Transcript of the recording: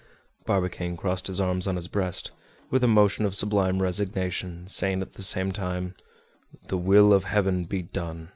Barbicane crossed his arms on his breast, with a motion of sublime resignation, saying at the same time: "The will of heaven be done!"